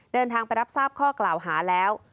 เดินทางไปรับทราบข้อกล่าวหาแล้ว